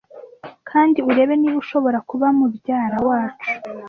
Kandi urebe niba ushobora kubara mubyara wacu.